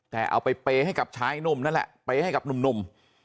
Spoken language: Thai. แต่เอาไปเปย์ให้กับชายหนุ่มนั่นแหละเปย์ให้กับหนุ่ม